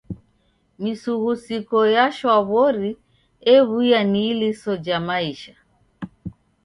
Misughusiko ya shwaw'ori ew'uya ni iliso ja maisha.